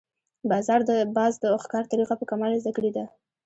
باز د ښکار طریقه په کمال زده کړې ده